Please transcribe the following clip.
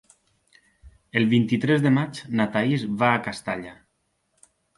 El vint-i-tres de maig na Thaís va a Castalla.